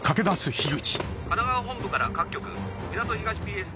神奈川本部から各局港東ＰＳ